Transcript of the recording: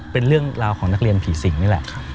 เป็นเรื่องราวของนักเรียนผีสิงนี่แหละ